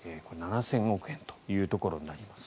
７０００億円ということになります。